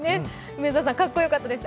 梅澤さん、かっこよかったです。